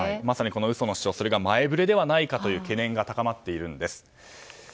まさに嘘の主張その前触れではないかという懸念が高まっているんです。